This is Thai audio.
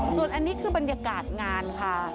ส่วนอันนี้คือบรรยากาศงานค่ะ